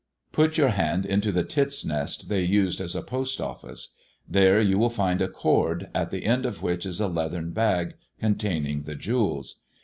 Put your hand into the tit's nest they used as a post office ; there you will find a cord, at the end of which is a leathern bag containing the jewels.